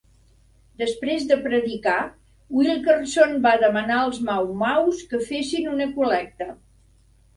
Després de predicar, Wilkerson va demanar als Mau Maus que fessin una col·lecta.